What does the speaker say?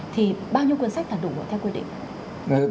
thì bao nhiêu cuốn sách là đủ theo quy định